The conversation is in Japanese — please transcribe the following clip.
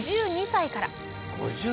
「５２歳から？」